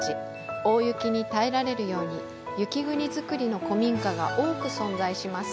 大雪に耐えられるように雪国造りの古民家が多く存在します。